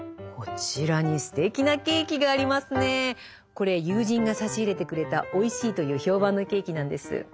これ友人が差し入れてくれたおいしいという評判のケーキなんです。